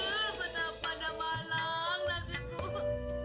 aduh betapa damalang nasibku